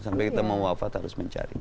sampai kita mau wafat harus mencari